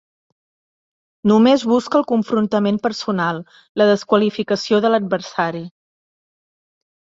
Només busca el confrontament personal, la desqualificació de l’adversari.